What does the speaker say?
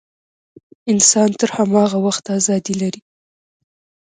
انسان تر هماغه وخته ازادي لري.